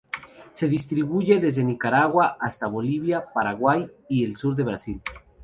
Se distribuye desde Nicaragua hasta Bolivia, Paraguay y el sur de Brasil.